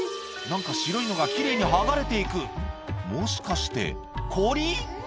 何か白いのが奇麗に剥がれて行くもしかして氷？